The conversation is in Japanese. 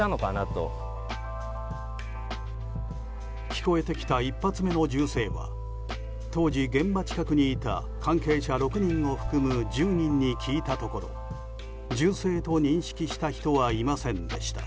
聞こえてきた１発目の銃声は当時、現場近くにいた関係者６人を含む１０人に聞いたところ銃声と認識した人はいませんでした。